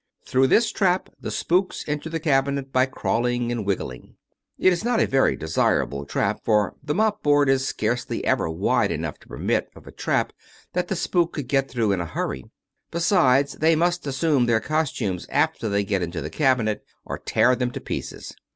Through this trap the " spooks " enter the cabinet by crawling and wiggling. It is not a very desirable trap, for the mopboard is scarcely ever wide enough to permit of a trap that the spook could get through in a hurry; besides, they must assume their costumes after they get into the cabinet or tear them to pieces.